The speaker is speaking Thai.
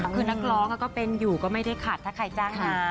คือนักร้องก็เป็นอยู่ก็ไม่ได้ขัดถ้าใครจ้างงาน